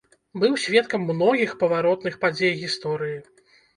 Быў сведкам многіх паваротных падзей гісторыі.